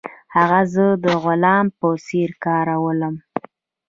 هغه زه د غلام په څیر کارولم.